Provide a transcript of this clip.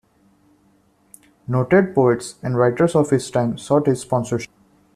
Noted poets and writers of his time sought his sponsorship.